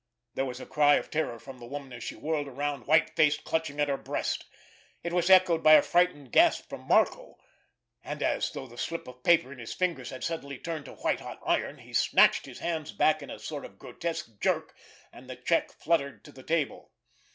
There was a cry of terror from the woman, as she whirled around, white faced, clutching at her breast; it was echoed by a frightened gasp from Marco, and as though the slip of paper in his fingers had suddenly turned to white hot iron, he snatched his hands back in a sort of grotesque jerk, and the check fluttered to the table.